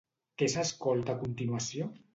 Què s'escolta a continuació?